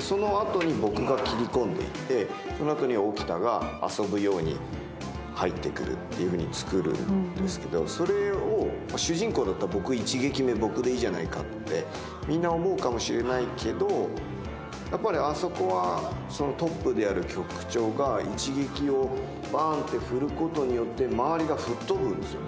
そのあとに僕が斬り込んでいって、そのあとに沖田が遊ぶように入ってくるっていうふうに作るんですけどそれを主人公だった僕が、一撃目、僕でいいじゃないかってみんな思うかもしれないけどあそこはトップである局長が一撃をバンと振ることによって周りが吹っ飛ぶんですよ。